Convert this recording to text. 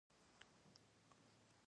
انا د وطن دعا کوي